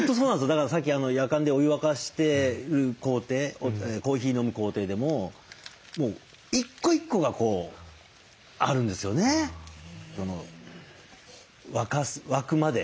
だからさっきやかんでお湯沸かしてる工程コーヒー飲む工程でももう一個一個がこうあるんですよね沸くまで。